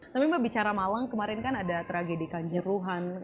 tapi mbak bicara malang kemarin kan ada tragedi kanjuruhan